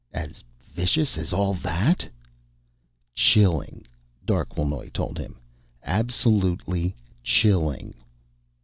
"As vicious as all that?" "Chilling," Darquelnoy told him. "Absolutely chilling."